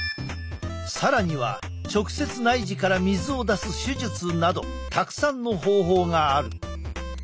更には直接内耳から水を出す手術などたくさんの方法がある。